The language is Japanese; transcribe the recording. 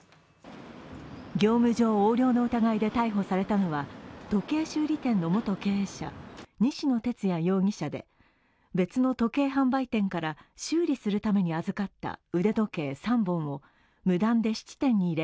業務上横領の疑いで逮捕されたのは、時計修理店の元経営者、西野哲也容疑者で別の時計販売店から修理するために預かった腕時計３本を無断で質に入れ